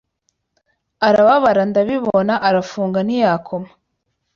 Arababara ndabibona Arafunga ntiyakoma